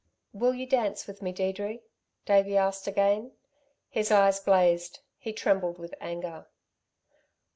"Will you dance with me, Deirdre?" Davey asked again. His eyes blazed; he trembled with anger.